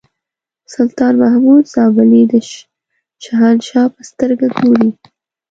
سلطان محمود زابلي د شهنشاه په سترګه ګوري.